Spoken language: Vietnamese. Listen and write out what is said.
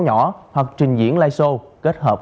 nhỏ hoặc trình diễn live show kết hợp